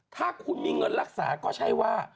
ถ้าคุณมีเงินรักษาก็ใช่ว่า